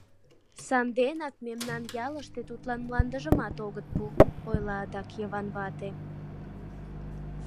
— Санденак мемнан ялыште тудлан мландыжымат огыт пу, — ойла адак Йыван вате.